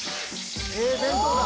ええ弁当だ！